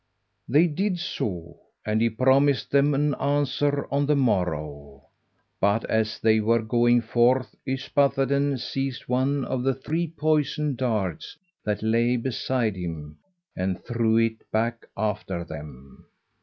They did so, and he promised, them an answer on the morrow. But as they were going forth, Yspathaden seized one of the three poisoned darts that lay beside him and threw it back after them.